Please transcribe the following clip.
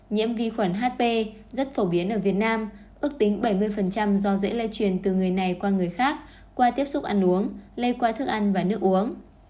nhiễm vi khuẩn hp rất phổ biến ở việt nam ước tính bảy mươi do dễ lây truyền từ người này qua người khác qua tiếp xúc ăn uống lây quái thức ăn và nước uống